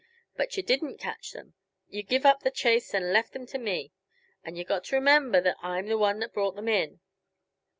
But yuh didn't catch 'em; yuh give up the chase and left 'em to me. And yuh got to remember that I'm the one that brought 'em in.